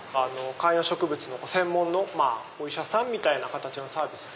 観葉植物の専門のお医者さんみたいな形のサービスで。